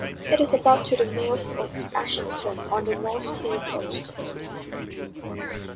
It is about to the north of Ashington, on the North Sea coast.